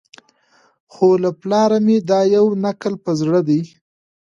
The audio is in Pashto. خو له پلاره مي دا یو نکل په زړه دی